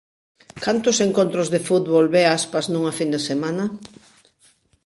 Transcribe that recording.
Cantos encontros de fútbol ve Aspas nunha fin de semana?